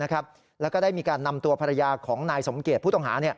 แล้วก็ได้มีการนำตัวภรรยาของนายสมเกียจผู้ต้องหา